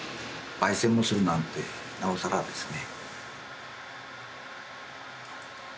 ばい煎もするなんてなおさらですね。